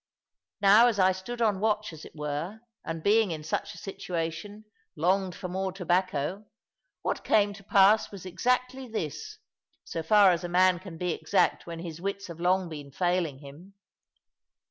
Now as I stood on watch, as it were, and, being in such a situation, longed for more tobacco, what came to pass was exactly this so far as a man can be exact when his wits have long been failing him.